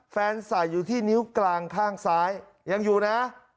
ใส่อยู่ที่นิ้วกลางข้างซ้ายยังอยู่นะ